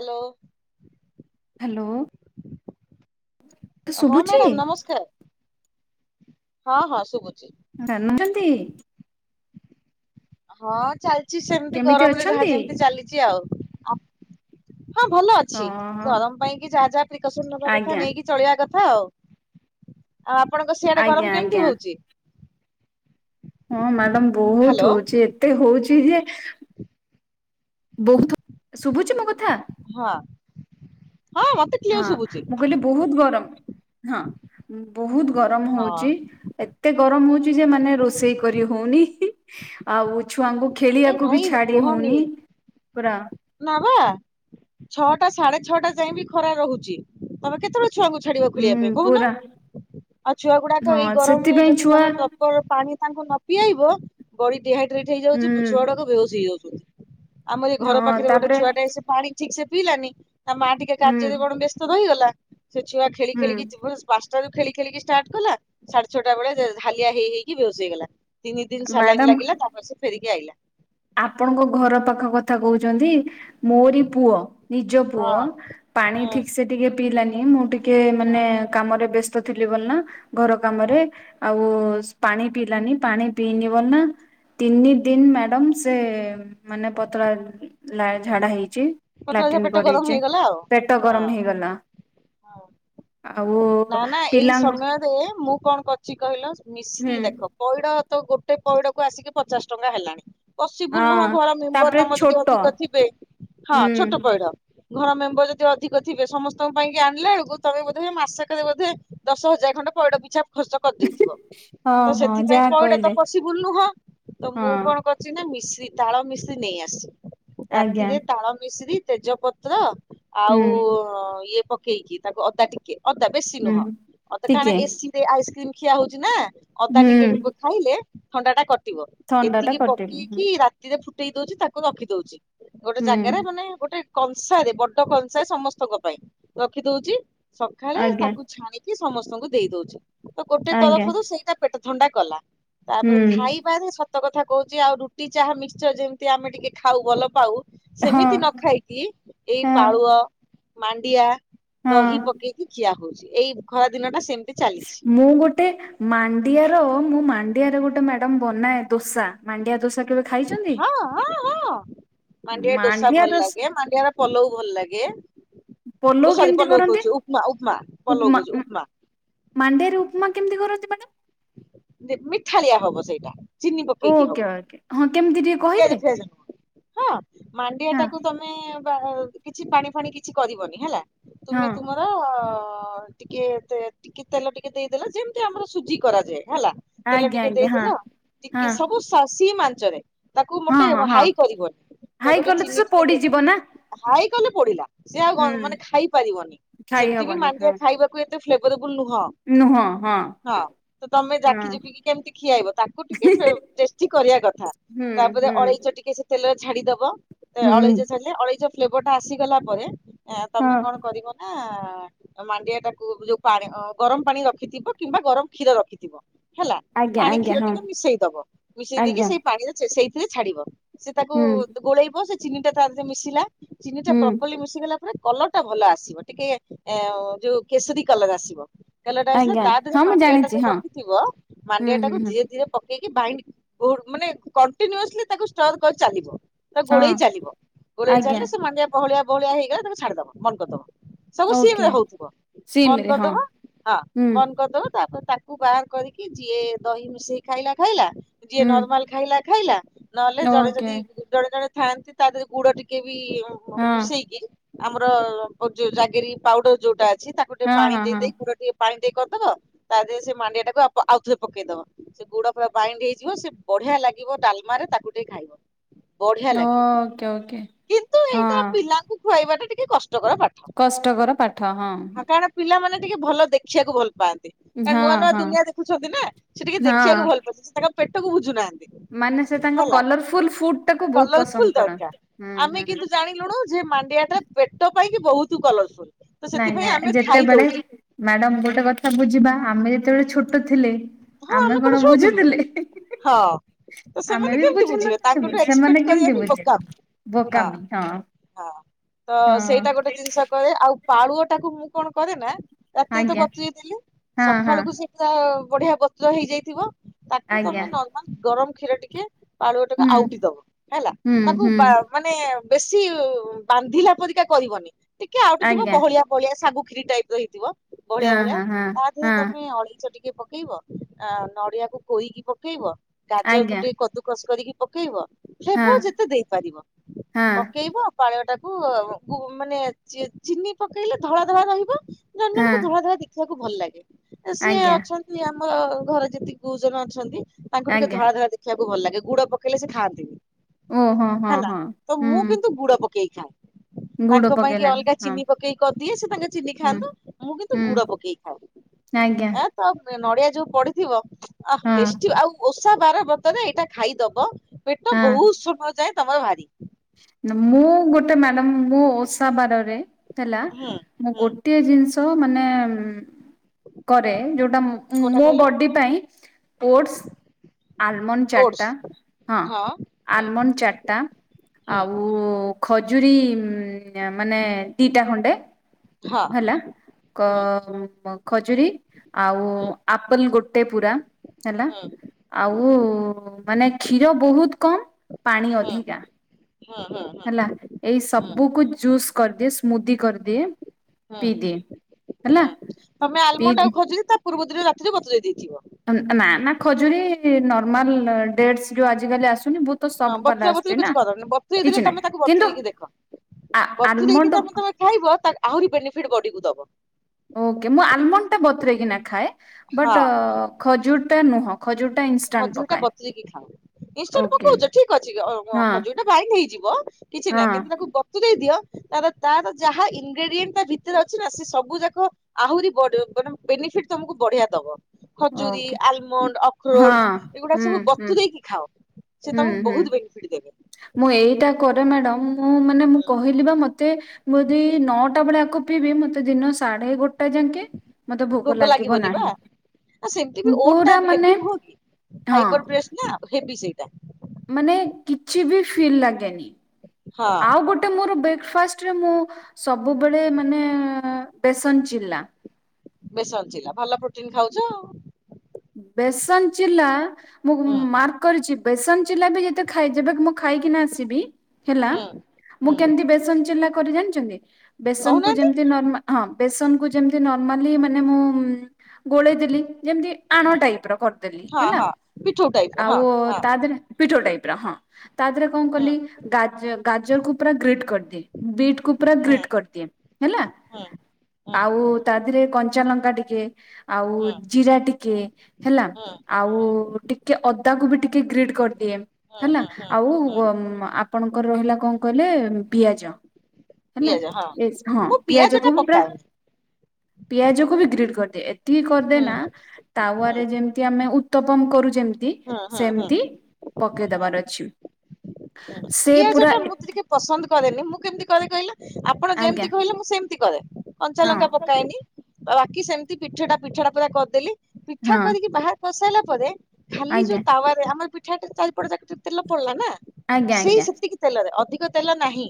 Hello hello ହଁ ଶୁଭୁଛି madam ନମସ୍କାର। ହଁ ହଁ ଶୁଭୁଛି। ଜାନୁଚନ୍ତି ହଁ ଚାଲିଛି ସେମିତି କେମିତି ଗରମରେ ଯାହା ଅଛନ୍ତି? ଯେମିତି ଚାଲିଛି ଆଉ ଆ ହଁ ଭଲ ଅଛି ହଁ ଗରମ ପାଇଁ କି ଯାହା ଯାହା ପ୍ରିକସନ ନବା କଥା ଆଜ୍ଞା ନେଇକି ଚଳିବା କଥା ଆଉ ଆଉ ଆପଣଙ୍କ ସିଆଡ଼େ ଆଜ୍ଞା ଗରମ କେମିତି ଆଜ୍ଞା ହଉଛି। ହଁ ମ୍ୟାଡାମ୍ ବହୁତ ହ୍ୟାଲୋ ହଉଛି ଏତେ ହଉଛି ଯେ ବହୁତ୍ ଶୁଭୁଛି ମୋ କଥା। ହଁ ହଁ ମତେ କ୍ଲିୟର ହଁ ଶୁଭୁଛି। ମୁଁ କହିଲି ବହୁତ ଗରମ୍ ହଁ ବହୁତ ଗରମ୍ ହଁ ହଉଛି ଏ ଏତେ ଗରମ ହଉଛି ଯେ ମାନେ ରୋଷେଇ କରି ହଉନି ହି ଆଉ ଛୁଆଙ୍କୁ ଏ ଖେଳିବାକୁ ବି ଭାଇ ଛାଡି କୁହନି ହଉନି ପୁରା ନା ବା ଛଅଟା ସାଢେ ଛଅଟା ଯାଇଏ ବି ଖରା ରହୁଛି ତମେ କେତେବେଳେ ଛୁଆଙ୍କୁ ଛାଡିବ ଖୋଳିବା ହୁଁ ପାଇଁ କହୁନ ପୁରା ଆଉ ଛୁଆ ଗୁଡାକ ଏଇ ହଁ ଗରମରେ ସେଥିପାଇଁ ଯଦି ଛୁଆ ତମେ ପାଣି ତାଙ୍କୁ ନ ପିଆଇବ ବଡି ଡିହାଇଡ୍ରେଟ୍ ହୁଁ ହେଇଯାଉଛି ଛୁଆ ଗଡାକ ବେହୋସ ହେଇଯାଉଛନ୍ତି। ଆମର ଏଇ ଘର ହଁ ପାଖରେ ଗୋଟେ ତାପରେ ଛୁଆ ଟା ସେ ପାଣି ଠିକ ସେ ପିଇଲାନି ତା ମା ଟିକେ ହୁଁ କାର୍ଯ୍ୟରେ କଣ ବ୍ୟସ୍ତ ରହିଗଲା ସେ ଛୁଆ ଖେଳି ହୁଁ ଖେଳିକି ଯିବ ପାଞ୍ଚଟା ରୁ ଖେଳି ଖେଳିକି ଷ୍ଟାର୍ଟ କଲା ସାଢ଼େ ଛଅଟା ବେଳେ ସେ ହାଲିଆ ହେଇ ହେଇକି ବେହୋସ୍ ହେଇଗଲା। ତିନି ଦିନ ସଲାଇନ୍ ମ୍ୟାଡାମ ଲାଗିଲା ତାପରେ ସେ ଫେରିକି ଆଇିଲା। ଆପଣଙ୍କ ଘର ପାଖ କଥା କହୁଛନ୍ତି ମୋରି ପୁଅ ନିଜ ପୁଅ ହଁ ପାଣି ହଁ ଠିକ ସେ ଟିକେ ପିଇଲାନି ମୁଁ ଟିକେ ହଁ ମାନେ କାମରେ ବ୍ୟସ୍ତ ଥିଲି ବୋଲି ନା ଘର ହଁ କାମରେ ଆଉ ପାଣି ପିଇଲାନି ପାଣି ପିଇନି ବ ନା ତିନି ଦିନ ମ୍ୟାଡାମ ସେ ମାନେ ପତଳା ନାଳ ଝାଡ଼ା ହେଇଛି। ପତଳା ଝିଅ ଲାଟିନ୍ ପେଟ ଗରମ କରିଛି ହେଇଗଲା ଆଉ ପେଟ ହଁ। ଗରମ ହେଇଗଲା। ହଁ। ଆଉ ନା ନା ଏଇ ପିଲାଙ୍କ ସମୟରେ ମୁଁ କଣ କରିଛି କହିଲ ମିଶ୍ରି ହୁଁ ଦେଖ ପଇଡ ତ ଗୋଟେ ପଇଡ କୁ ଆସିକି ପଚାଶ ଟଙ୍କା ହେଲାଣି। ପସିବୁଲ ହଁ ନୁହଁ ଘର ମେମ୍ବର ତାପରେ ତମ ଯଦି ଛୋଟ ଅଧିକ ଥିବେ ହଁ ହୁଁ ଛୋଟ ପଇଡ ଘର ମେମ୍ବର ଯଦି ଅଧିକ ଥିବେ ସମସ୍ତଙ୍କ ପାଇଁକି ଆଣିଲା ବ ତମେ [unintelligible] ମାସକ ରେ ବଧେ ଦଶ ହଜାର ଖଣ୍ଡ ପଇଡ ପିଛା ଖର୍ଚ୍ଚ କରିଦେଇଥିବ ହଁ ତ ହଁ ସେଥିପାଇଁ ଯାହା ପଇଡ ତ କହିଲେ ପସିବୁଲ ନୁହଁ ତ ହଁ ମୁଁ କଣ ନା ମିଶି ତାଳ ମିଶ୍ରି ନେଇ ଆସିଛି ଆଜ୍ଞା ରାତିରେ ତାଳ ମିଶ୍ରି ତେଜପତ୍ର ଆଉ ହୁଁ ଇଏ ପକେଇକି ତାକୁ ଅଦା ଟିକେ ଅଦା ବେଶୀ ନୁହଁ ହୁଁ [unintelligible] କାଣା ଟିକେ ଏ ସି ରେ ଆଇସ୍କ୍ରିମ ଖିଆ ହଉଛି ନା ଅଦା ହୁଁ ଟିକେ ଖାଇଲେ ଥଣ୍ଡା ଟା କଟିବ ଥଣ୍ଡା ଟା ଏତିକି କଟିବ ପକେଇକି ରାତିରେ ଫୁଟେଇ ଦଉଛି ତାକୁ ରଖିଦଉଛି। ଗୋଟେ ହୁଁ ଜାଗାରେ ମାନେ ଗୋଟେ କଂସାରେ ବଡ କଂସା ସମସ୍ତଙ୍କ ପାଇଁ ରଖି ଦଉଛି। ସକାଳେ ଆଜ୍ଞା ତାକୁ ଛାଣିକି ସମସ୍ତଙ୍କୁ ଦେଇ ଦଉଛି ତ ଗୋଟେ ଆଜ୍ଞା ତରଫରୁ ସେଇଟା ପେଟ ଥଣ୍ଡା କଲା ହୁଁ ତାପରେ ଖାଇ ପାରେ ସତ କଥା କହୁଛି ଆଉ ରୁଟି ଚାହା ମିକ୍ସଚର ଯେମିତି ଆମେ ଟିକେ ଖାଉ ଭଲ ପାଉ ହଁ ସେମିତି ନ ଖାଇକି ଏଇ ହଁ ପାଳୁଅ ମାଣ୍ଡିଆ ହଁ ଦହି ପକେଇ ପକେଇକି ଖିଆ ହଉଛି ଏଇ ଖରା ଦିନ ଟା ସେମିତି ଚାଲିଛି ମୁଁ ଗୋଟେ ମାଣ୍ଡିଆର ମୁଁ ମାଣ୍ଡିଆରେ ଗୋଟେ ମ୍ୟାଡାମ ବନାଏ ଦୋସା ମାଣ୍ଡିଆ ଦୋସା କେବେ ଖାଇଛନ୍ତି? ହଁ ହଁ ହଁ ମାଣ୍ଡିଆରେ ଡୋସା, ମାଣ୍ଡିଆ ଭଲ ଦୋସା ଲାଗେ ମାଣ୍ଡିଆର ପଲଉ, ଭଲ ଲାଗେ। ପଲଉ ଓସରି କେମିତି ପଲଉ କରନ୍ତି କହୁଛି ଉପମା ଉପମା ପଲଉ କହୁଛି ଉପମା। ମାଣ୍ଡିରେ ଉପମା କେମିତି କରନ୍ତି ମାନେ ସେ ମିଠାଳିଆ ହବ ସେଇଟା। ଚିନି ପକେଇକି ହବ ଓକେ ହଁ କେମିତି ଟିକେ ପିଆଜ କହିବେ ଫିଆଜ ନୁହଁ ହଁ ମାଣ୍ଡିଆ ହଁ ଟାକୁ ତମେ ମେ ବାହାର କିଛି ପାଣି ଫାଣି କିଛି କରିବନି ହେଲା ହଁ ତମେ ତୁମ ଅ ଟିକେ ଟିକେ ତେଲ ଟିକେ ଦେଇଦେଲା ଯେମିତି ଆମର ସୁଜି କରାଯାଏ ହେଲା। ତେଲ ଆଜ୍ଞା ଟିକେ ଆଜ୍ଞା ହଁ ଦେଇଦଲ ହଁ ଟିକେ ସବୁ ସ ସିମ୍ ଆଞ୍ଚରେ। ତାକୁ ହଁ ମୋଟେ ହଁ ହଁ ହାଇ କରିବନି ତାକୁ ହାଇ ଗୋଟେ କଲେ ତ ଚିନି ସେ ଟିକେ ଦେ ପୋଡିଯିବ ନା ହାଇ କଲେ ପୋଡିଲା ସିଏ ଆଉ ହୁଁ ମାନେ ଖାଇ ପାରିବନି ଖାଇ ସେମିତି ବି ହବନି ମାଣ୍ଡିଆ ହଁ। ଖାଇବା ହୁଏତ ଫ୍ଲେଭରେବଲ ନୁହଁ। ନୁହଁ ହଁ। ହଁ ତ ତମେ ଜାଖି ହଁ ଯୁଖିକି କେମିତି ଖିଆଇବ ତାକୁ ଟିକେ ଫ ଟେଷ୍ଟି କରିବା କଥା। ହୁଁ ତାପରେ ହୁଁ ଅଳେଇଚ ଟିକେ ତେଲରେ ଛାଡିଦବ ହୁଁ ଅଳେଇଜ ଛାଡିଲେ ଅଳେଇଜ ଫ୍ଲେଭର ଟା ଆସିଗଲା ପରେ ଆଁ ହଁ ତମେ କଣ କରିବ ନା ମାଣ୍ଡିଆ ଟାକୁ ଯୋଉ ପାଣି ଗରମ ପାଣି ରଖିଥିବ କିମ୍ବା ଗରମ କ୍ଷୀର ରଖିଥିବ। ହେଲା ଆଜ୍ଞା ପାଣି ଆଜ୍ଞା କ୍ଷୀର ହଁ ଟିକେ ମିଶେଇ ଦବ ମିଶେଇ ଦେଇକି ଆଜ୍ଞା ସେଇ ପାଣିରେ ସେଇଥିରେ ଛାଡିବ। ସେ ତାକୁ ହୁଁ ଗୋଳେଇବ ସେ ଚିନି ଟା ତା ମିଶିଲା ଚିନି ଟା ହୁଁ ପ୍ରପଲି ମି ମିଶିଗଲା ପରେ କଲର ଟା ଭଲ ଆସିବ ଟିକେ ଅ ଯୋଉ କେଶରୀ କଲର ଆସିବ। ତେଲଟା ଆସିଲା ଆଜ୍ଞା ତା ଦେହରେ ହଁ ମୁଁ ମାଣ୍ଡିଆ ଟା ଜାଣିଛି ଯୋଉ ହଁ ରଖିଥିବ ହୁଁ ମାଣ୍ଡିଆ ହୁଁ ଟାକୁ ହୁଁ ଧୀରେ ଧୀରେ ପ ପକେଇକି ବାଇଣ୍ଡ ମାନେ କଣ୍ଟିନିୟସଲି ତାକୁ ଷ୍ଟରବ କରି ଚାଲିବ। ତା ହଁ ଗୋଳେଇ ଚାଲିବ ଗୋଳେଇ ଆଜ୍ଞା ଚାଲିଲେ ସେ ମାଣ୍ଡିଆ ବହଳିଆ ବହଳିଆ ହେଇଗଲା ତମେ ଛାଡିଦବ ବନ୍ଦ କରିଦବ। ସବୁ ଓକେ ସିମ ହଉଥିବ ବନ୍ଦ ସିମରେ ହଁ କରିଦବ ହଁ ହୁଁ ବନ୍ଦ କରିଦବ ତାପରେ ତାକୁ ମୁଁ ବାହାର କରିକି ଯିଏ ଦହି ମିଶେଇ ଖାଇଲା ଖାଇଲା ଯିଏ ହୁଁ ନର୍ମାଲ ଖାଇଲା ଖାଇଲା ନହେଲେ ଜଣେ ଓକେ ଯଦି ଜଣେ ଜଣେ ଥାଆନ୍ତି ତା ଦେହରେ ଗୁଡ ଟିକେ ବି ହଁ ମିଶେଇକି ଆମର ଯୋଉ ଜାଗିରି ପାଉଡର ଯୋଉଟା ଅଛି ତାକୁ ଟିକେ ହଁ ପାଣି ହଁ ହଁ ଦେଇେଇ ଗୁଡ ଟିକେ ପାଣି ଟିକେ କରିଦବ ତା ଦେହରେ ସେ ମାଣ୍ଡିଆ ଟାକୁ ଆଉଥରେ ପକେଇଦବ। ସେ ଗୁଡ ପୁରା ବାଇଣ୍ଡ ହେଇଯିବ ସେ ବଢିଆ ଲାଗିବ ଡାଲମାରେ ତାକୁ ଟିକେ ଖାଇବ। ବଢିଆ ଲାଗିବ ଓକେ ଓକେ କିନ୍ତୁ ହଁ ଏଇଟା ପିଲାଙ୍କୁ ଖୁଆଇବା ଟା ଟିକେ କଷ୍ଟକର ପାଠ। କଷ୍ଟକର ପାଠ ହଁ। ହଁ କାରଣ ପିଲାମାନେ ଟିକେ ଭଲ ଦେଖିବାକୁ ଭଲ ପାଆନ୍ତି। ଏ ହଁ ନୂଆ ନୂଆ ହଁ ଦୁନିଆ ଦେଖୁଛନ୍ତି ନା ସେ ଟିକେ ହଁ ଦେଖିବାକୁ ଭଲ ପାରୁଛି ସେ ତାଙ୍କ ପେଟକୁ ବୁଝୁନାହାନ୍ତି। ମାନେ ସେ ତାଙ୍କ ହେଲା କଲରଫୁଲ ଫୁଡ ଟାକୁ ବହୁତ କଲରଫୁଲ ପସନ୍ଦ ଦରକାର। କରନ୍ତି ହୁଁ ଆମେ ହୁଁ। କିନ୍ତୁ ଜାଣିଲୁଣୁ ଯେ ମାଣ୍ଡିଆ ଟା ପେଟ ପାଇଁକି ବହୁତ କଲରସଫୁଲ। ନାଇଁ ନାଇଁ ଯେତେବେଳେ ମ୍ୟାଡମ ଗୋଟେ କଥା ବୁଝିବା ଆମେ ଯେତେବେଳେ ଛୋଟ ଥିଲେ। ଆମେ କଣ ବୁଝୁଥିଲେ। ହଁ। ତ ଆମେ ସେମାନେ ବି କେମିତି ବୁଝୁନୁ ବୁଝିବେ ତାଙ୍କଠୁ ସେମାନେ ଏକ୍ସପେକ୍ଟ କରିବା କେମିତି ବି ବୁଝୀବେ ବୋକାମି ବୋକାମି ହଁ। ହଁ ତ ହଁ ସେଇଟା ଗୋଟେ ଜିନିଷ କରେ ଆଉ ପାଳୁଅ ଟାକୁ ମୁଁ କଣ କରେ ନା ରାତିରେ ତ ଆଜ୍ଞା ବତୁରେଇଥିଲି ହଁ ହଁ ସକାଳକୁୁ ସେ ତ ବଢିଆ ବତୁରା ହେଇଯାଇଥିବ ତାକୁ ଆଜ୍ଞା ତମେ ନର୍ମାଲ ଗରମ କ୍ଷୀର ଟିକେ ପାଳୁଅଟାକୁ ହୁଁ। ଆଉଟି ଦବ ହେଲା ହୁଁ ତାକୁ ହୁଁ ବା ମାନେ ବେଶୀ ବାନ୍ଧିଲା ପରିକା କରିବନି ଟିକେ ଆଉଟି ଥିବ ଆଜ୍ଞା ବହଳିଆ ବହଳିଆ ସାଗୁ କ୍ଷୀରି ଟାଇପି ର ହେଇଥିବ ବହଳିଆ ହଁ ବହଳିଆ ହଁ ହଁ ତା ଦେହରେ ହଁ ତମେ ଅଳେଇଚ ଟିକେ ପକେଇବ। ଆ ନଡିଆକୁ କୋଇକି ପକେଇବ ଗାଜରକୁୁ ଆଜ୍ଞା ଟିକେ କଦୁକସ କରିକି ପକେଇବ। ହଁ ହେବ ଯେତେ ଦେଇପାରିବ ହଁ ପକେଇବ ପାଳୁ ଟାକୁ ମାନେ ଚିନି ପକେଇଲେ ଧଳା ଧଳା ରହିବ। ଜଣ ହଁ ଜଣଙ୍କୁ ଧଳା ଧଳା ଦେଖିବାକୁ ଭଲ ଲାଗେ ସିଏ ଆଜ୍ଞା ଅଛନ୍ତି। ଆମର ଘରେ ଯେତିକି ଗୁରୁଜନ ଅଛନ୍ତି ତାଙ୍କୁ ଟିକେ ଆଜ୍ଞା ଧଳା ଧଳା ଦେଖିବାକୁ ଭଲ ଲାଗେ ଗୁଡ ପକେଇଲେ ସେ ଓହୋ ଖାଆନ୍ତିନି। ହଁ ହେଲା ହଁ ତ ମୁଁ ହୁଁ କିନ୍ତୁ ଗୁଡ ପକେଇ ଖାଏ। ଗୁଡ ତାଙ୍କ ପାଇଁ କି ପକେଇନା ଅଲଗା ହଁ ଚିନି ପକେଇକି କରିଦିଏ ସେ ତାଙ୍କ ଚିନି ହୁଁ ଖାଆନ୍ତୁ। ମୁଁ କିନ୍ତୁ ହୁଁ ଗୁଡ ପକେଇ ଖାଏ। ଆଜ୍ଞା। ଏ ତ ନଡିଆ ଯୋଉ ପଡିଥିବ ଆ ହଁ ଟେଷ୍ଟ ଆଉ। ଓଷା ବାର ବତରେ ଏଇଟା ଖାଇଦବ ପେଟ ହଁ ବହୁତ ସମୟ ଯାଏଁ ତମର ଭାରି। ମୁଁ ଗୋଟେ ମ୍ୟାଡାମ ମୁଁ ଓଷା ବାରରେ ହେଲା ହୁଁ ମୁଁ ଗୋେ ହୁଁ ଗୋଟିଏ ଜିନିଷ ମାନେ କରେ ଯୋଉଁଟା କୋଉଟା ମୋ କହିଲ ବଡ଼ି ପାଇଁ ଫୋଡଥ୍ ଆଲମୋନ୍ ଚାରିଟା ଓଡସ୍ ହଁ ଆଲମୋନ୍ ଚାରିଟା। ଆଉ ଖଜୁରୀ ମାନେ ଦିଟା ଖଣ୍ଡେ। ହଁ ହେଲା କ ଖଜୁରୀ ଆଉ ଆପେଲେ ଗୋଟେ ପୁରା ହେଲା। ହୁଁ। ଆଉ ମାନେ କ୍ଷୀର ବହୁତ କମ୍ ପାଣି ଅଧିକା। ହଁ ହଁ। ହେଲା ଏଇ ସବୁକୁ ଜୁସ୍ କରିଦିଏ ସ୍ମୁଦି କରିଦିଏ। ହୁଁ ପିଇଦିଏ ହେଲା ହୁଁ ତମେ ଆଲୋମୋଣ୍ଡ ପିଇ ଆଉ ଖୋଜିରି ତା ପୂର୍ବ ଦିନ ରାତିରେ ବତ ତୁରେ ଦେଇଥିବି। ନା ନା ଖଜୁରୀ ନର୍ମାଲ ଡେଟସ୍ ଯୋଉ ଆଜିକାଲି ଆସୁନି ବହୁତ ତ ହଁ ସଫ୍ଟ ବାଲା ବତୁରା ବତୁୁରି ଆସୁଛି କିଛି ନା କରିନି ବତୁରେ ଦେଲେ କିଛି ନାହିଁ ତମେ ତାକୁ କିନ୍ତୁ ବତୁରଇକି ଦେଖ ଆ ବତୁରେଇକି ଆଲମଣ୍ଡ ତମେ ତମେ ଖାଇବ ଆହୁରି ବେନିଫିଟ୍ ବଡିକୁ ଦବ। ଓକେ ମୁଁ ଆଲୋମଣ୍ଡ ଟା ବତରେକିନା ଖାଏ ବଟ୍ ହଁ। ଖଜୁରି ଟା ନୁହଁ ଖଜୁରି ଟା ଇନଷ୍ଟାଣ୍ଟ ଖଜୁରୀଟା ପକାଏ ବତୁରେଇକି ଖାଉ। ଇନଷ୍ଟାଣ୍ଟ ଓକେ ପକଉଚ ଠିକ ଅଛି ହଁ ଅ-ଅ-ଖଜୁରୀଟା ବାଇଣ୍ଡ ହେଇଯିବ କିଛି ହଁ ନାହିଁ, କିନ୍ତୁ ତାକୁ ବ ତୁରେଇ ଦିଅ, ତାର ତାର ଯାହା ଇନଗ୍ରେଡିଏଣ୍ଟ ଟା ତା ଭିତରେ ଅଛି ନା ସେ ସବୁ ଯାକ ଆହୁରି ବଡ ମାନେ ବେନିଫିଟ ତମକୁ ବଢିଆ ଦବ। ଖଜୁରୀ, ଓକେ ଆଲମଣ୍ଡ, ହଁ ଅଖ୍ରୋଟ ଏଗୁଡା ହୁଁ ସବୁ ହୁଁ ବତୁରେଇକି ଖାଅ। ସେ ହୁଁ ତମକୁ ହୁଁ ବହୁତ ବେନିଫିଟ ଦେବେ। ମୁଁ ଏଇଟା କରେ ମ୍ୟାଡମ ମୁଁ ମାନେ ମୁଁ କହିଲି ବା ମତେ ମୁଁ ଯଦି ନଅଟା ବେଳେ ଆକୁ ପିଇବି ମତେ ଦିନ ସାଢେ ଗୋଟେ ଯାଙ୍କେ ମତେ ଭୋକ ଲାଗିବ ଲାଗିବନି ନାହିଁ ବା, ସେମିତି ବି ଓ ଟା ପୁରା ମାନେ ହେଭି ନୁହଁ କି ହଁ ଫାଇବର ପ୍ରେସ ନା ହେବି ସେଇଟା। ମାନେ କିଛି ବି ଫିଲ୍ ଲାଗେନି, ହଁ ଆଉ ଗୋ ଟେ ମୋର ବ୍ରେକଫାଷ୍ଟରେ ମୁଁ ସବୁବେଳେ ମାନେ ବେସନ ଚିଲ୍ଲା। ବେସନ ଚିଲା ଭଲ ପ୍ରୋଟିନ ଖାଉଚ ଆଉ। ବେସନ ଚିଲା ମୁଁ ହୁଁ ମାର କରିଚି ବେସନ ଚିଲା ବି ଯେତ ଖାଇଦେବେ ମୁଁ ଖାଇକିନା ଆସିବି ହେଲା। ହୁଁ ମୁଁ ହୁଁ କେମିତି ବେସନ ଚିଲା କରେ ଜାଣିଛନ୍ତି ବେସନକୁ କହୁନାହାନ୍ତି। ଯେମତି ନର୍ମା ହଁ ବେସନକୁ ଯେମତି ନର୍ମାଲି ମାନେ ମୁଁ ଗୋଳେଇ ଦେଲି ଯେମତି ଆଣ ଟାଇପର କରିଦେଲି ହେଲା, ଆଉ ତା ଧେରେ ପିଠଉ ଟାଇପର ହଁ, ତା ଧେରେ କଣ କଲି ଗା-ଗାଜରକୁୁ ପୁରା ଗ୍ରିଟ୍ କରିଦିଏ। ବିଟ୍ କୁ ପୁରା ଗ୍ରୀିଟ୍ କରିଦିଏ। ହେଲା। ଆଉ ତା ଧେରେ କଞ୍ଚା ଲଙ୍କା ଟିକେ, ଆଉ ଜିରା ଟି କେ ହେଲା ଆଉ ଟି ଟିକେ ଅଦାକୁ ବି ଟିକେ ଗ୍ରୀଟ୍ କରିଦିଏ ହେଲା, ଆଉ ମ ଆପଣଙ୍କର ରହିଲା କଁ କହିଲେ ପିଆଜ। ହେଲା ପିଆଜ ହଁ ଏସ ହଁ ମୁଁ ପିଆଜ ପିଆଜକୁ ଟା ପୁରା ପକାଉନି। ପିଆଜକୁ ବି ଗ୍ରୀଟ କରିଦିଏ, ଏତିକି ହୁଁ କରିଦେନା ତାୱାରେ ହୁଁ ଯେମିତି ଆମେ ଉତ୍ତପମ କରୁ ଯେମିତି ହୁଁ ହୁଁ ହୁଁ ସେମିତି ପକାଇ ଦେବାର ଅଛି। ସେ ପୁରା ପିଆଜଟା ମୁଁ ତ ଟିକେ ପସନ୍ଦ କରେନି ମୁଁ କେମିତି କରେ କହିଲ ଆପଣ ଆଜ୍ଞା ଯେମିତି କହିଲେ ମୁଁ ସେମତି କରେ, ହଁ କଞ୍ଚାଲଙ୍କା ପ ପକାଏନି ଆଉ ବାକି ସେମିତି ପିଠାଟା ପିଠାଟା ପୁରା କରିଦେଲି, ପିଠା ହଁ କରିକି ବାହାର କରସାଇଲା ପରେ ଖାଲି ଆଜ୍ଞା ଯୋଉ ତାୱାରେ ଆମର ପିଠାରେ ଚାରିପଟ ଯାକ ଟିକେ ତେଲ ପଡିଲା ନା। ଆଜ୍ଞା ସେଇ ଆଜ୍ଞା ସେତିକି ତେଲରେ ଅଧିକ ତେଲ ନାହିଁ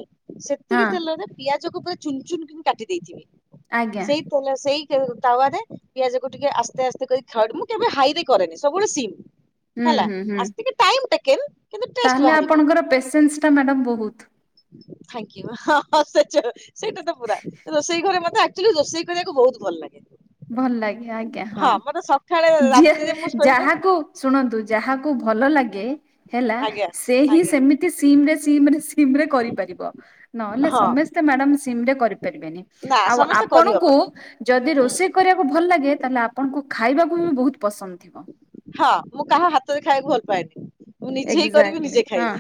ହଁ ସେତିକି ତେଲରେ ପିଆଜକୁ ପୁରା ଚୁନ ଚୁନ କି କାଟି ଦେଇଥିବେ ଆଜ୍ଞା ସେଇ ପୋଲ ସେଇ [unintelligible] ତାୱାରେ ପିଆଜକୁ ଟିକେ ଆସ୍ତେ ଆସ୍ତେ କରି ଥଡ, ମୁଁ କେବେ ହାଇରେ କରେନି ସବୁବେଳେ ସିମ୍। ହୁଁ ହେଲା ହୁଁ ହୁଁ ଆସ୍ତିକି ଟାଇମ ଟେକେନ୍। ତାହେଲେ ଆପଣଙ୍କର ପେସେନ୍ସଟା ମ୍ୟାଡ଼ମ୍ ବହୁତ୍। ଥାଙ୍କ ୟୁ ହଁ ହଁ ସେ ଯୋଉ ସେଇଟା ତ ପୁରା, ରୋଷେଇ ଘରେ ମତେ ଆ କଚୁଲି ରୋଷେଇ କରିଆକୁ ବହୁତ ଭଲ ଲାଗେ। ଭଲ ଲାଗେ ଆଜ୍ଞା ହଁ, ମତେ ସକାଳେ ଯିଏ ରାତିରେ ମୁଁ ଶୋଇବା ଯାହାକୁ ଶୁଣନ୍ତୁ ଯାହାକୁ ଭଲ ଲାଗେ ହେଲା ଆଜ୍ଞା ସେ ହିଁ ଆଜ୍ଞା ସେମି ତି ସିମରେ ସିମରେ ସିମରେ କରିପାରିବ, ନହେଲେ ହଁ ସମସ୍ତେ ମ୍ୟାଡମ ସିମରେ କରିପାରିବେନି। ନା ଆଉ ସମସ୍ତେ ଆପଣଙ୍କୁ କରିହବନି ଯଦି ହୁଁ ରୋଷେଇ କରିବାକୁ ଭଲ ଲାଗେ, ତାହେଲେ ଆପଣଙ୍କୁ ଖାଇବାକୁ ବି ବହୁତ ପସନ୍ଦ ଥିବ। ହଁ ମୁଁ କାହା ହାତରେ ଖାଇବାକୁ ଭଲ ପାଏନି। ମୁଁ ନିଜେ ହିଁ କରିବି ଏକ୍ଜାକ୍ଟଲି ନିଜେ ହଁ ଖାଇବି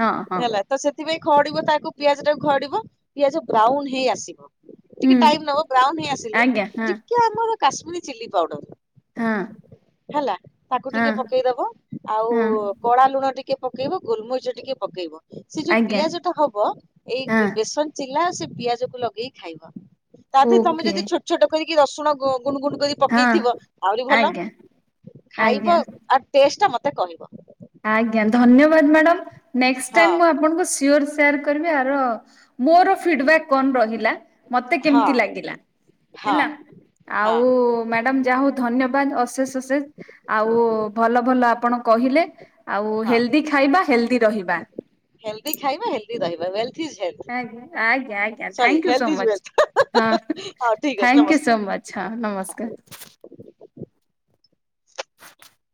ହଁ ହଁ ହେଲା। ତ ସେଥିପାଇଁ ଖଅଡିବ ତାକୁ ପିଆଜ ଟାକୁ ଖଅଡିବ ପିଆଜ ବ୍ରାଉନ ହେଇ ଆସିବ। ଟିକେ ହୁଁ ଟାଇମ ନବ ବ୍ରାଉନ ହେଇ ଆସିଲେ, ଆଜ୍ଞା ହଁ ଟିକେ ଆମର କାଶ୍ମୀର ଚିଲ୍ଲି ପାଉଡର ହଁ। ହେଲା ତାକୁ ହଁ ଟିକେ ପକେଇଦବ ଆଉ ହଁ କଳା ଲୁଣ ଟିକେ ପକେଇବ, ଗୋଲମରିଚ ଟିକେ ପକେଇବ। ସେ ଯୋଉ ଆଜ୍ଞା ପିଆଜଟା ହବ ଏଇ ହଁ ବେ ବେସନ ଚିଲା ସେ ପିଆଜକୁ ଲଗେଇ ଖାଇବ। ତାଦେହରେ ତମେ ଓକେ ଯଦି ଛୋଟ ଛୋଟ କରିକି ରସୁଣ ଗୁ ଗୁଣ୍ଡୁ ଗୁଣ୍ଡୁ କରି ହଁ ପକେଇଥିବ ଆହୁରି ଭଲ। ଆଜ୍ଞା ଖାଇବ ଆଜ୍ଞା ଆଉ ଟେଷ୍ଟଟା ମତେ କହିବ। ଆଜ୍ଞା ଧନ୍ୟବାଦ ମ୍ୟାଡମ୍ ନେଷ୍ଟ ହଁ ମୁଁ ଆପଣଙ୍କୁ ସିଓର ସି ସେୟାର କରିବି ଆର ମୋର ଫିଡବ୍ୟାକ୍ କଣ ରହିଲା। ମତେ ହଁ କେମତି ଲାଗିଲା ହଁ ହେଲା ହଁ ଆଉ ମ୍ୟାଡାମ୍ ଯାହା ହୋଉ ଧନ୍ୟବାଦ ଅଶେଷ ଅଶେଷ ଆଉ ଭଲ ଭଲ ଆପଣ କହିଲେ। ଆଉ ହେଲଦି ଖାଇବା ହେଲଦି ରହିବା। ହେଲଦି ଖାଇବ ହେଲଦି ରହିବ ୱେଲଥ୍ ଇଜ୍ ହେଲ୍ ଆଁଗି ଆଜ୍ଞା ଆଜ୍ଞା ଥ୍ୟାଙ୍କୟୁ ସୋ ମଚ୍ ୱେଲ୍ଥ ହଁ ହଉ ଠିକ ଅଛି ଥ୍ୟାଙ୍କୟୁ ନମସ୍କାର। ସୋ ମ ଛା ନମସ୍କାର। [inaudible]